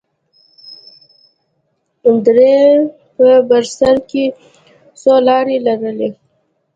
درې په بر سر کښې څو لارې لرلې.